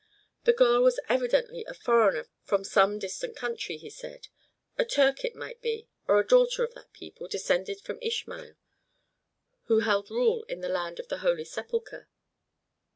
The girl was evidently a foreigner from some far distant country, he said, a Turk it might be, or a daughter of that people, descended from Ishmael, who held rule in the land of the Holy Sepulchre.